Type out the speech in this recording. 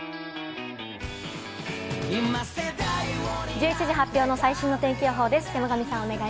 １１時発表の最新の天気予報です。